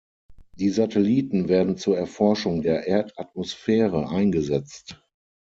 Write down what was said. Die Satelliten werden zur Erforschung der Erdatmosphäre eingesetzt.